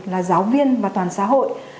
là giáo viên và toàn xã hội